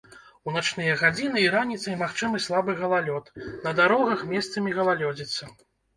У начныя гадзіны і раніцай магчымы слабы галалёд, на дарогах месцамі галалёдзіца.